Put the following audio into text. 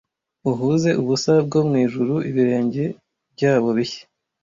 uhuze ubusa bwo mwijuru ibirenge byabo bishya